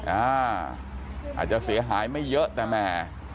อาจจะเสียหายไม่เยอะนะแม่